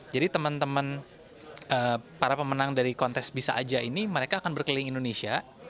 jadi teman teman para pemenang dari kontes bisa aja ini mereka akan berkeliling indonesia